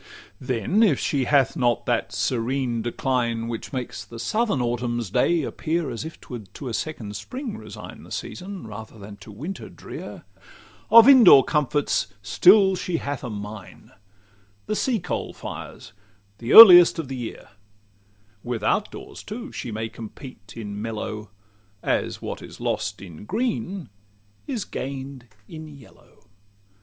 LXXVII Then, if she hath not that serene decline Which makes the southern autumn's day appear As if 't would to a second spring resign The season, rather than to winter drear, Of in door comforts still she hath a mine, The sea coal fires the "earliest of the year;" Without doors, too, she may compete in mellow, As what is lost in green is gain'd in yellow.